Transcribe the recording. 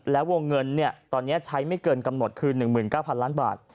แล้ววงเงินตอนนี้ใช้ไม่เกินกำหนดคือ๑๙๐๐ล้านบาท